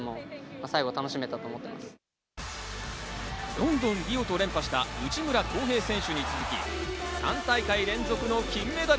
ロンドン、リオと連覇した内村航平選手に続き、３大会連続の金メダル。